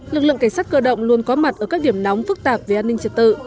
lực lượng cảnh sát cơ động luôn có mặt ở các điểm nóng phức tạp về an ninh trật tự